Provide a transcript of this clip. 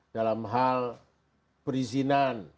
dalam hal perizinan